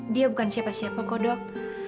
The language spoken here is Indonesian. dia bukan siapa siapa kok dok